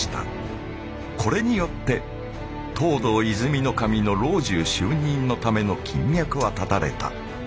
これによって藤堂和泉守の老中就任のための金脈は断たれた。